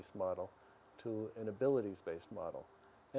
ke model yang berbasis kemampuan